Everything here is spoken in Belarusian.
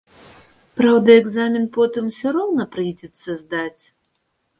Праўда, экзамен потым усё роўна прыйдзецца здаць.